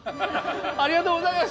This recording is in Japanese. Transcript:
ありがとうございます！